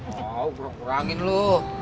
mau kurang kurangin lo